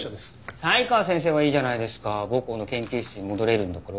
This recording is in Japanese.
才川先生はいいじゃないですか母校の研究室に戻れるんだから。